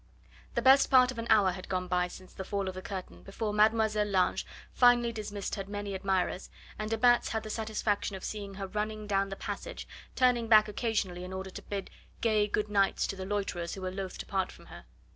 The best part of an hour had gone by since the fall of the curtain before Mlle. Lange finally dismissed her many admirers, and de Batz had the satisfaction of seeing her running down the passage, turning back occasionally in order to bid gay "good nights" to the loiterers who were loath to part from her.